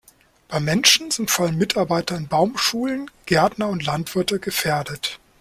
Beim Menschen sind vor allem Mitarbeiter in Baumschulen, Gärtner und Landwirte gefährdet.